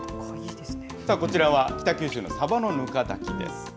こちらは、北九州のサバのぬか炊きです。